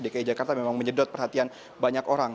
dki jakarta memang menyedot perhatian banyak orang